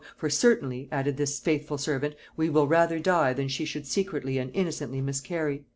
"For certainly," added this faithful servant, "we will rather die than she should secretly and innocently miscarry."